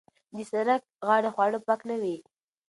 د سرک غاړې خواړه پاک نه وي.